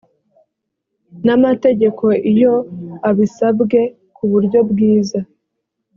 n amategeko iyo abisabwe ku buryo bwiza